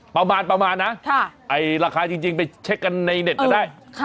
ประมาณประมาณนะค่ะไอ้ราคาจริงจริงไปเช็กกันในเน็ตก็ได้เออค่ะ